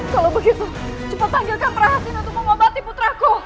kalau begitu cepat tanggilkan perahasin untuk membahati putraku